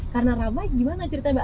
karena ramai gimana cerita mbak